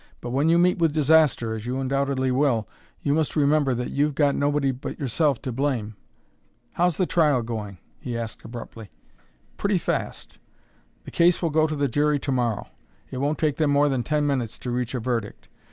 But when you meet with disaster, as you undoubtedly will, you must remember that you've got nobody but yourself to blame. How's the trial going?" he asked abruptly. "Pretty fast; the case will go to the jury to morrow. It won't take them more than ten minutes to reach a verdict.